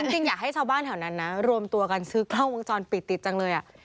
จริงอยากให้ชาวบ้านแถวนั้นนะรวมตัวกันซื้อกล้องวงจรปิดติดจังเลย